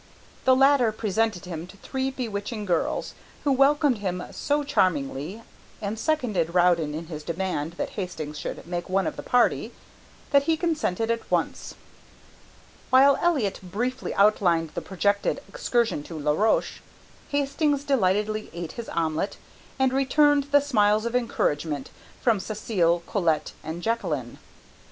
The latter presented him to three bewitching girls who welcomed him so charmingly and seconded Rowden in his demand that Hastings should make one of the party, that he consented at once. While Elliott briefly outlined the projected excursion to La Roche, Hastings delightedly ate his omelet, and returned the smiles of encouragement from Cécile and Colette and Jacqueline.